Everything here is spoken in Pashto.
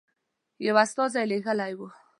یو استازی لېږلی وو.